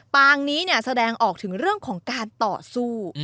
ปางนี้แสดงออกถึงเรื่องของการต่อสู้